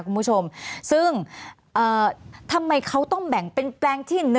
คุณผู้ชมซึ่งทำไมเขาต้องแบ่งเป็นแปลงที่๑